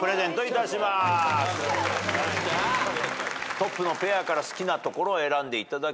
トップのペアから好きな所を選んでいただけます。